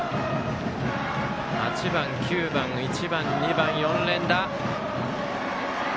８番、９番、１番、２番４連打。